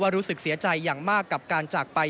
รู้สึกเสียใจอย่างมากกับการจากไป